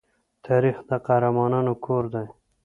تاریخ د قهرمانانو کور دی.